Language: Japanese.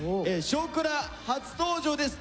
「少クラ」初登場です。